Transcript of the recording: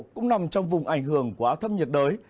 cũng nằm trong vùng ảnh hưởng của áp thấp nhiệt đới